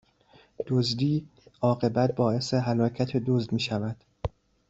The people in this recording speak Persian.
دزدی، عاقبت باعث هلاکت دزد میشود